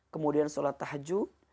kemudian sholat tahajud